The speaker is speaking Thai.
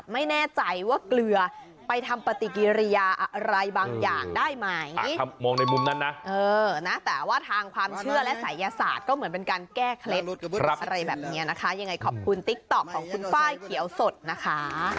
มุมนั้นนะเออนะแต่ว่าทางความเชื่อและศัยยศาสตร์ก็เหมือนเป็นการแก้เคล็ดอะไรแบบเนี้ยนะคะยังไงขอบคุณติ๊กต๊อกของคุณป้ายเขียวสดนะคะ